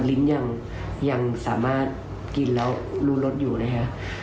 ลิ้นยังสามารถกินแล้วรู้รสอยู่นะคะ